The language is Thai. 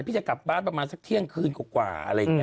พี่จะกลับบ้านประมาณสักเที่ยงคืนกว่า